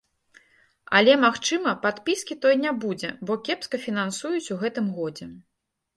Але, магчыма, падпіскі той не будзе, бо кепска фінансуюць у гэтым годзе.